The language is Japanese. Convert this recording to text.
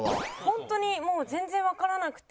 ホントにもう全然わからなくて。